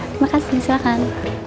terima kasih silakan